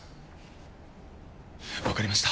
わかりました。